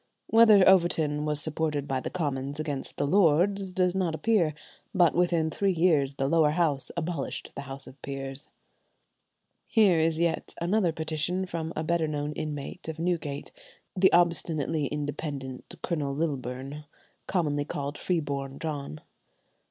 Whether Overton was supported by the Commons against the Lords does not appear, but within three years the Lower House abolished the House of Peers. [Illustration: Sessions House, Clerkenwell Green, London] Here is yet another petition from a better known inmate of Newgate, the obstinately independent Colonel Lilburne, commonly called "Freeborn John."